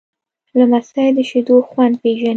لمسی د شیدو خوند پیژني.